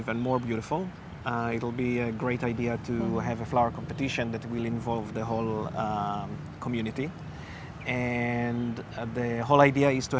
akan menjadi ide yang bagus untuk memiliki kompetisi bunga yang akan membuat komunitas tersebut tergantung